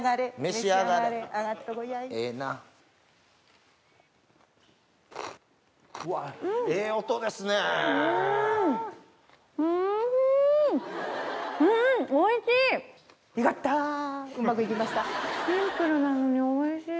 シンプルなのにおいしい。